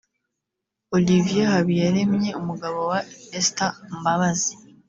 Olivier Habiyaremye umugabo wa Esther Mbabazi